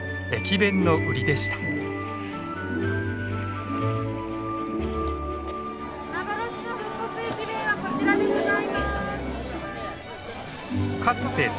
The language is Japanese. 幻の復刻駅弁はこちらでございます。